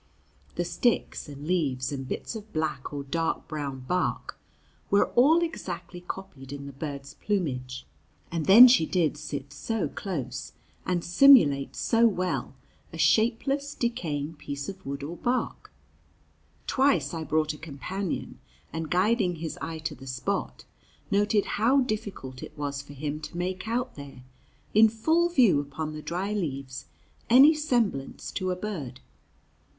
The sticks and leaves, and bits of black or dark brown bark, were all exactly copied in the bird's plumage. And then she did sit so close, and simulate so well a shapeless, decaying piece of wood or bark! Twice I brought a companion, and, guiding his eye to the spot, noted how difficult it was for him to make out there, in full view upon the dry leaves, any semblance to a bird.